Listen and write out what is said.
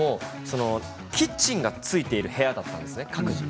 キッチンがついている部屋だったんですね、各自。